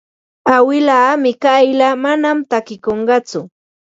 Awilaa Mikayla manam takikunqatsu.